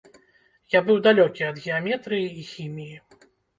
Я быў далёкі ад геаметрыі і хіміі.